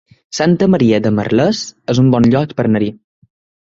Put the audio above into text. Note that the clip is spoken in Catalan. Santa Maria de Merlès es un bon lloc per anar-hi